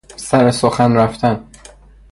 سر سخن رفتن